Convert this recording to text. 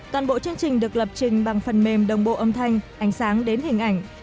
toàn bộ chương trình được lập trình bằng phần mềm đồng bộ âm thanh ánh sáng đến hình ảnh